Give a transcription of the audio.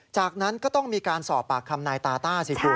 จากนั้นก็ต้องมีการสอบปากคำนายตาต้าสิคุณ